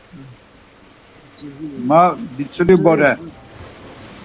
Ma Vitzuri bore.